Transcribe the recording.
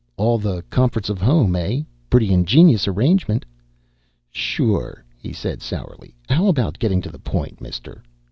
"All the comforts of home, eh? Pretty ingenious arrangement." "Sure," he said sourly. "How about getting to the point, Mister?"